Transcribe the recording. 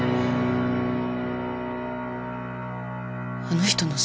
あの人の。